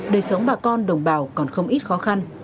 đời sống bà con đồng bào còn không ít khó khăn